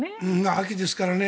秋ですからね。